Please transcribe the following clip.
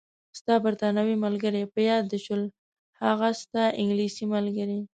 ستا بریتانوي ملګرې، په یاد دې شول؟ هغه ستا انګلیسۍ ملګرې.